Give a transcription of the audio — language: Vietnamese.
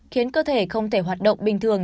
khiến cơ thể không thể hoạt động bình thường